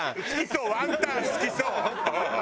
ワンタン好きそう！